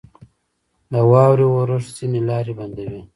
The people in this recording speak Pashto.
• د واورې اورښت ځینې لارې بندوي.